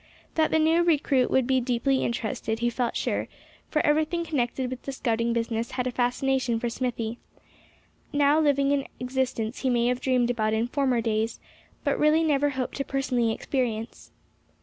That the new recruit would be deeply interested, he felt sure; for everything connected with the scouting business had a fascination for Smithy; now living an existence he may have dreamed about in former days, but really never hoped to personally experience.